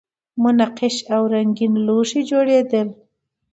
منقش او رنګین لوښي جوړیدل